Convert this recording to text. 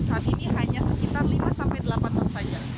saat ini hanya sekitar lima sampai delapan knot saja